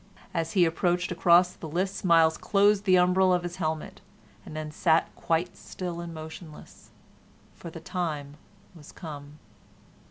As he approached across the lists, Myles closed the umbril of his helmet, and then sat quite still and motionless, for the time was come.